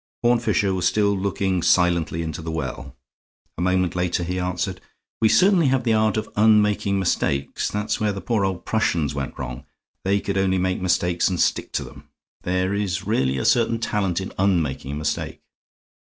Horne Fisher was still looking silently into the well; a moment later he answered: "We certainly have the art of unmaking mistakes. That's where the poor old Prussians went wrong. They could only make mistakes and stick to them. There is really a certain talent in unmaking a mistake."